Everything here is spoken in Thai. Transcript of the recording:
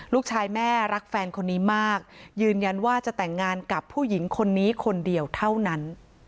ลูกชายแม่รักแฟนคนนี้มากยืนยันว่าจะแต่งงานกับผู้หญิงคนนี้คนเดียวเท่านั้น